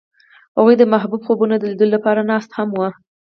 هغوی د محبوب خوبونو د لیدلو لپاره ناست هم وو.